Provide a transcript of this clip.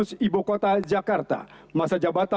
lagu kebangsaan indonesia raya